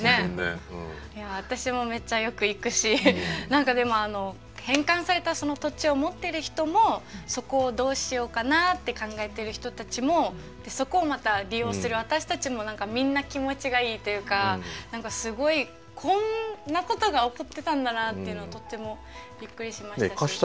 何かでも返還されたその土地を持ってる人もそこをどうしようかなって考えてる人たちもそこをまた利用する私たちもみんな気持ちがいいというか何かすごいこんなことが起こってたんだなっていうのとってもびっくりしましたし。